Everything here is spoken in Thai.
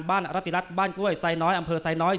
อรติรัฐบ้านกล้วยไซน้อยอำเภอไซน้อย